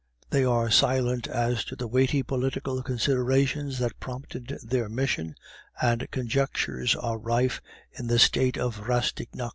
They are silent as to the weighty political considerations that prompted their mission, and conjectures are rife in the State of Rastignac.